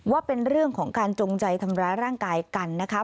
ว่าเป็นเรื่องของการจงใจทำร้ายร่างกายกันนะคะ